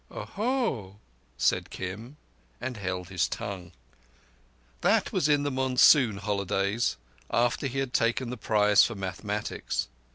"Oho!" said Kim, and held his tongue. That was in the monsoon holidays, after he had taken the prize for mathematics.